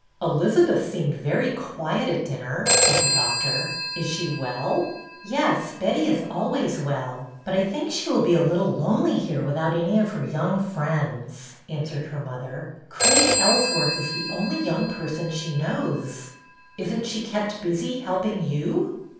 '' Elizabeth seemed very quiet at dinner," said the doctor. '' Is she well? "'' Yes, Betty is always well, but I think she will be a little lonely here without any of her young friends," answered her mother. Craig Ellsworth is the only young person she knows." '' Is n't she kept busy helping you?